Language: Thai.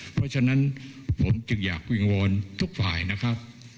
เพราะฉะนั้นผมจึงอยากวิงวอนทุกฝ่ายนะครับ